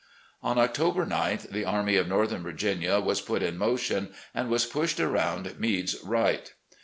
.. On October 9th, the Army of Northern Virginia was put in motion, and was pushed around Meade's right.